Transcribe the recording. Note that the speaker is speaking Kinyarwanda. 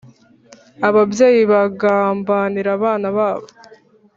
Ababyeyi bagambanira abana babo